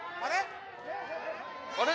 ・あれ？